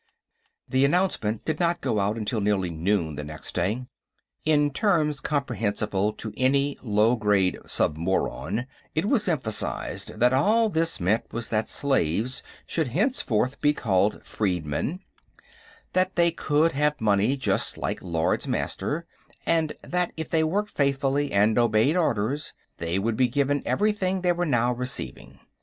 The announcement did not go out until nearly noon the next day. In terms comprehensible to any low grade submoron, it was emphasized that all this meant was that slaves should henceforth be called freedmen, that they could have money just like Lords Master, and that if they worked faithfully and obeyed orders they would be given everything they were now receiving.